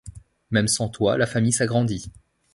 Même sans toit, la famille s'agrandit.